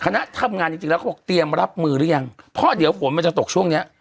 คณะทำงานจริงจริงแล้วเขาบอกเตรียมรับมือหรือยังเพราะเดี๋ยวฝนมันจะตกช่วงเนี้ย